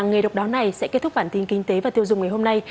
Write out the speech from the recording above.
làng nghề độc đáo này sẽ kết thúc bản tin kinh tế và tiêu dùng ngày hôm nay